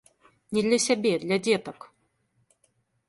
Не для сябе, для дзетак.